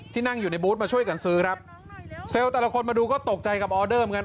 นั่งอยู่ในบูธมาช่วยกันซื้อครับเซลล์แต่ละคนมาดูก็ตกใจกับออเดอร์เหมือนกัน